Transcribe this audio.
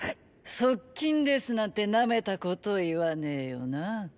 側近ですなんてなめたこと言わねェよなコラ。